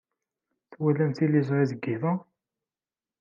Twalamt tiliẓri deg yiḍ-a?